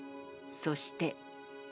そして。